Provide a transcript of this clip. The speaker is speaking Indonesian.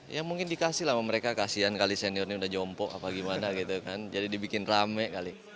ya mungkin dikasih lah sama mereka kasihan kali senior ini sudah jompo apa gimana gitu kan jadi dibikin rame kali